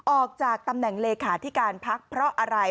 ออกจากตำแหน่งเลขาธิการพักเพราะอะไร